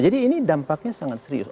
ini dampaknya sangat serius